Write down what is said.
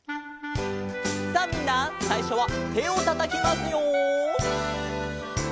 さあみんなさいしょはてをたたきますよ。